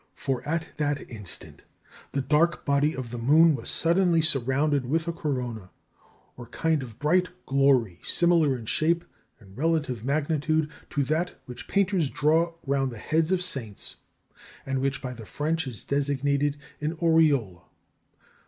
For at that instant the dark body of the moon was suddenly surrounded with a corona, or kind of bright glory similar in shape and relative magnitude to that which painters draw round the heads of saints, and which by the French is designated an auréole.